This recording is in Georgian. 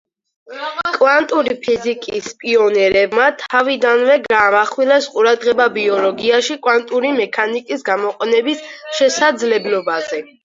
კვანტური ფიზიკის პიონერებმა თავიდანვე გაამახვილეს ყურადღება ბიოლოგიაში კვანტური მექანიკის გამოყენების შესაძლებლობაზე.